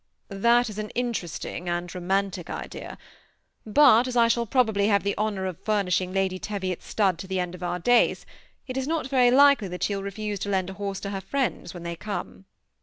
^ That is an interesting and romantic idea ; but as I shall probably have the honor of furnishing Lady Teviot's stud to the end of our days, it is not very like ly that she will refuse to lend a horse to her friends when they come."